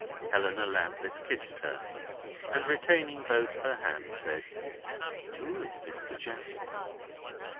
Helena Landless kissed her, and retaining both her hands said: "Who is Mr. Jasper?"